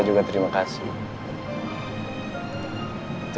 saya udah berasa itu